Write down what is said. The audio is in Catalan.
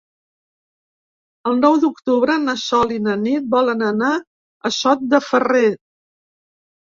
El nou d'octubre na Sol i na Nit volen anar a Sot de Ferrer.